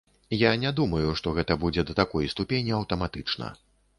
Я не думаю, што гэта будзе да такой ступені аўтаматычна.